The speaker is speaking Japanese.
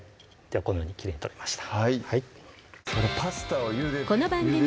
このようにきれいに取れました